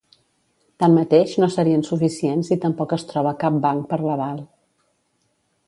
Tanmateix, no serien suficients i tampoc es troba cap banc per l'aval.